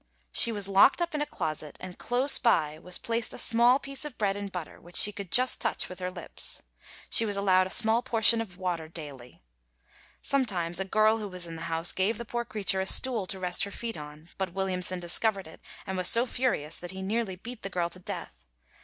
She was locked up in a closet, and close by was placed a small piece of bread and butter, which she could just touch with her lips. She was allowed a small portion of water daily. Sometimes a girl who was in the house gave the poor creature a stool to rest her feet on, but Williamson discovered it, and was so furious that he nearly beat the girl to death.